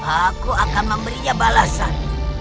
aku akan memberinya balasan